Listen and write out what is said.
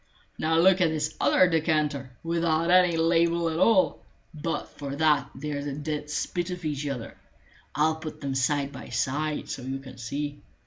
Now look at this other decanter, without any label at all; but for that they're the dead spit of each other. I'll put them side by side, so you can see.